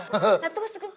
nah tuh mas